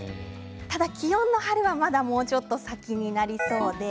ただ、気温の春はもうちょっと先になりそうです。